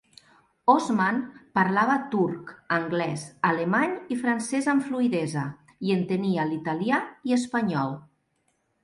Osman parlava turc, anglès, alemany i francès amb fluïdesa i entenia italià i espanyol.